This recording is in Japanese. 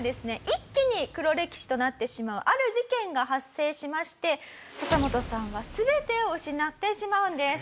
一気に黒歴史となってしまうある事件が発生しましてササモトさんは全てを失ってしまうんです。